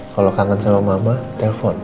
kalau kangen sama mama telpon